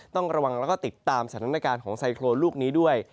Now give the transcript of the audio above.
ต้องระวังแล้วก็ติดตามสถานการณ์ของไซโครนลูกนี้ด้วย